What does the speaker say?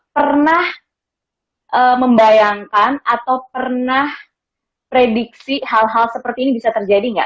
pernah membayangkan atau pernah prediksi hal hal seperti ini bisa terjadi nggak